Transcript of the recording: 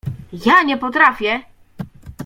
— Ja nie potrafię?